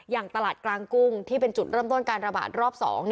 อย่างตลาดกลางกุ้งที่เป็นจุดเริ่มต้นการระบาดรอบ๒